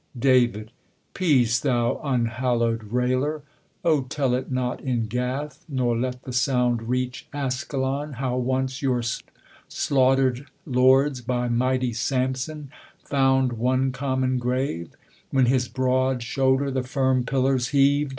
Darv, I'cacp, thou unhallow'd railer ! O tell it not in Gath, nor let the sound Reach Askelon, how once your slaughter'd lords, By mighty Samson found one common grave : When his broad shoulder the firm pillars heav'd.